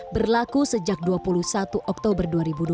berlaku sejak dua puluh satu oktober dua ribu dua puluh